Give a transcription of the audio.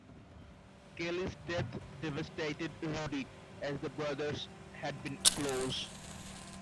Kelly's death devastated Rudy as the brothers had been close.